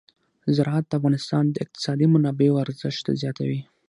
زراعت د افغانستان د اقتصادي منابعو ارزښت زیاتوي.